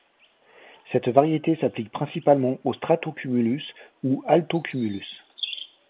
Cette variété s'applique principalement aux stratocumulus ou altocumulus.